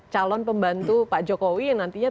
calon pembantu pak jokowi yang nantinya